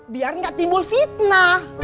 biar gak timbul fitnah